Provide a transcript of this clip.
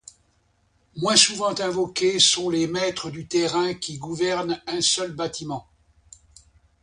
Moins souvent invoqués sont les Maîtres du terrain qui gouvernent un seul bâtiment.